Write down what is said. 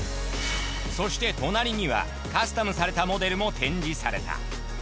そして隣にはカスタムされたモデルも展示された。